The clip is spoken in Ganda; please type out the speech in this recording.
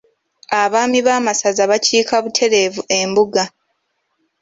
Abaami Ab'amasaza bakiika butereevu embuga.